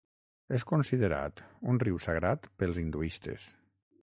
És considerat un riu sagrat pels hinduistes.